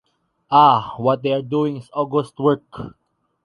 Ah! What they are doing is august work.